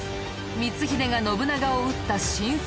光秀が信長を討った真相とは。